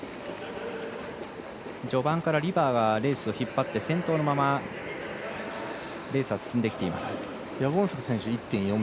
序盤からリバーがレースを引っ張って先頭のまま、レースは進んできています。